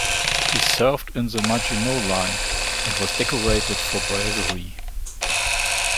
He served in the Maginot Line and was decorated for bravery.